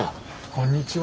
こんにちは。